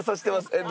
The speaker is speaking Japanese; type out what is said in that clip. えっ？